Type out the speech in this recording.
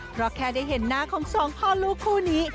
เพราะแค่ได้เห็นหน้าของสองพ่อลูกคู่นี้